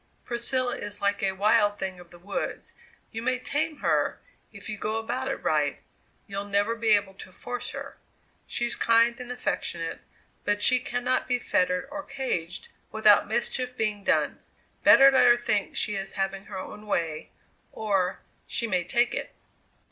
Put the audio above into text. Priscilla is like a wild thing of the woods. You may tame her, if you go about it right; you'll never be able to force her. She's kind and affectionate, but she cannot be fettered or caged, without mischief being done. Better let her think she is having her own way, or she may take it!"